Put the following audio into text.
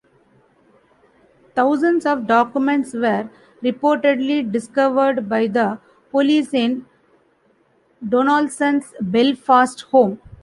Thousands of documents were reportedly discovered by the police in Donaldson's Belfast home.